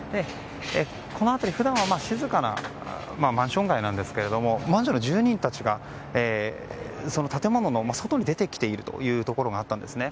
この辺り、普段は静かなマンション街なんですけどマンションの住人たちがその建物の外に出てきているということがあったんですね。